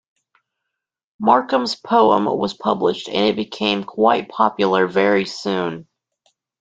Markham's poem was published, and it became quite popular very soon.